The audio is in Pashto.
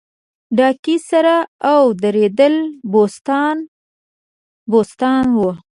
ډاګی سر او دړیدم بوستان بوستان و